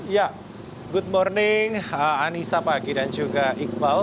ya good morning anissa pagi dan juga iqbal